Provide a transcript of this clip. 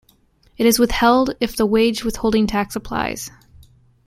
It is withheld if the wage withholding tax applies.